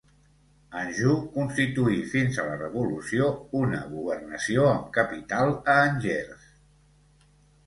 Anjou constituí fins a la Revolució una governació amb capital a Angers.